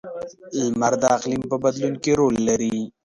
• لمر د اقلیم په بدلون کې رول لري.